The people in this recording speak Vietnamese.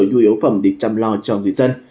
nhu yếu phẩm để chăm lo cho người dân